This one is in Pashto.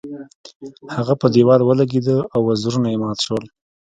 هغه په دیوال ولګیده او وزرونه یې مات شول.